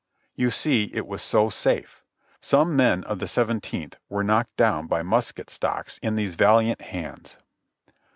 You see it was so safe ! Some men of the Seventeenth were knocked down by musket stocks in these valiant hands.